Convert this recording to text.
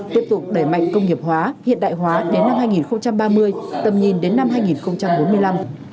tiếp tục đẩy mạnh công nghiệp hóa hiện đại hóa đến năm hai nghìn ba mươi tầm nhìn đến năm hai nghìn bốn mươi năm